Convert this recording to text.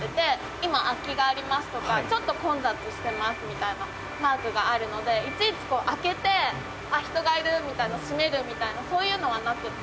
今空きがありますとかちょっと混雑してますみたいなマークがあるのでいちいちこう開けて「あっ人がいる」みたいな閉めるみたいなそういうのがなくて。